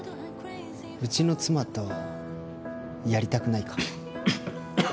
うちの妻と、やりたくないか？